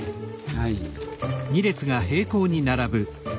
はい。